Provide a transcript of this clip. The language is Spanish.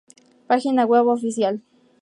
Página Web Oficial